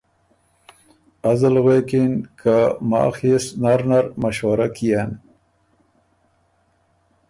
ازل غوېکِن که ”ماخ يې سُو نر نر مشورۀ کئېن“